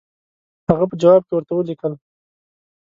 هغه په جواب کې ورته ولیکل.